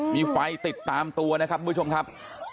มีไฟติดตามตัวนะครับทุกผู้ชมครับ